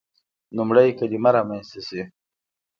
لومړی کلمه رامنځته شي.